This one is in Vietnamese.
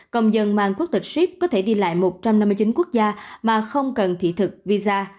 công dân mang quốc tịch ship có thể đi lại một trăm năm mươi chín quốc gia mà không cần thị thực visa